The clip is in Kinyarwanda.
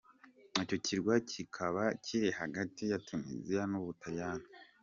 Icyo kirwa kikaba kiri hagati ya Tuniziya n’u Butaliyani.